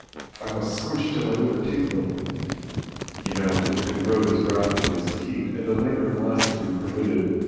"I must scorch till I overtake them." He mounted and rode as rapidly as the heat and a lingering lassitude permitted.